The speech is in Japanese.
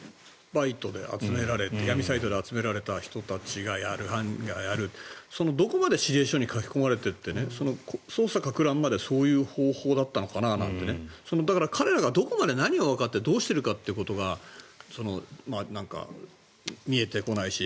闇サイトで集められた人たちがやるどこまで指示書に書き込まれていて捜査のかく乱までそういう方法だったのかななんてだから、彼らがどこまで何をわかってどうしているかということが見えてこないし。